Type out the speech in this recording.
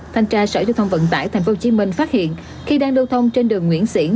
thanh tra sở thông vận tải tp hcm phát hiện khi đang đô thông trên đường nguyễn siễn